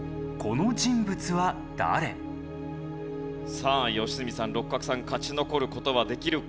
さあ良純さん六角さん勝ち残る事はできるか？